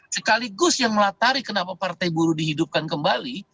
sekaligus yang melatari kenapa partai buruh dihidupkan kembali